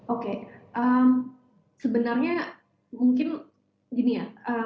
oke sebenarnya mungkin gini ya